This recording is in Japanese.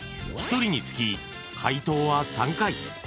［１人につき解答は３回］